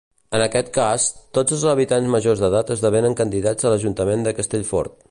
En aquest cas, tots els habitants majors d'edat esdevenen candidats a l'ajuntament de Castellfort.